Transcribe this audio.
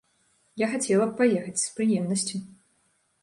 Я хацела б паехаць, з прыемнасцю.